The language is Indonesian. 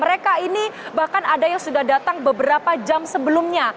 mereka ini bahkan ada yang sudah datang beberapa jam sebelumnya